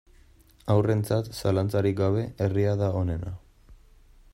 Haurrentzat, zalantzarik gabe, herria da onena.